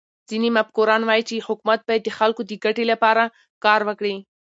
ځيني مفکران وايي، چي حکومت باید د خلکو د ګټي له پاره کار وکړي.